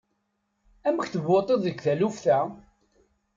Amek tvuṭiḍ deg taluft-a?